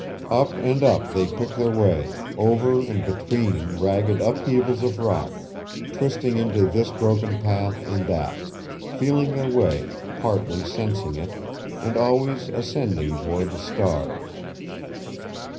Up and up they picked their way, over and between ragged upheavals of rock, twisting into this broken path and that, feeling their way, partly sensing it, and always ascending toward the stars.